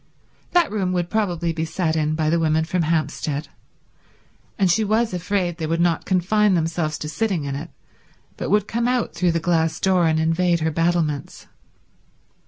That room would probably be sat in by the women from Hampstead, and she was afraid they would not confine themselves to sitting in it, but would come out through the glass door and invade her battlements.